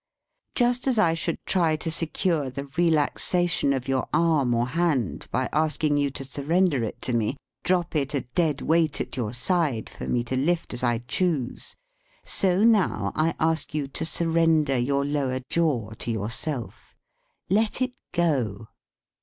Just as I should try to secure the relaxation of your arm or hand by asking you to surrender it to me, drop it a dead weight at your side for me to lift as I choose, so now I ask you to surrender your lower jaw to yourself. Let it go.